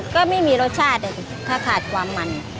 ก็ไม่มีรสชาติถ้าขาดความมัน